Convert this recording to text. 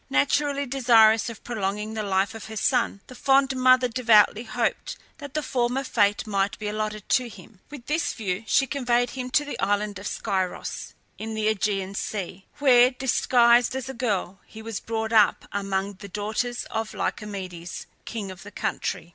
Naturally desirous of prolonging the life of her son, the fond mother devoutly hoped that the former fate might be allotted to him. With this view she conveyed him to the island of Scyros, in the AEgean Sea, where, disguised as a girl, he was brought up among the daughters of Lycomedes, king of the country.